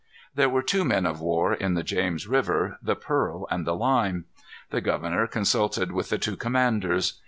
There were two men of war in the James River, the Pearl and the Lime. The governor consulted with the two commanders.